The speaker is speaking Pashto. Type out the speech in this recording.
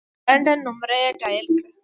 یوه لنډه نمره یې ډایل کړه .